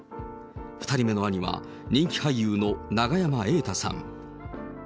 ２人目の兄は人気俳優の永山瑛太さん。